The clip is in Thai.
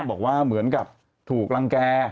บอกว่าเหมือนกับถูกรังแก่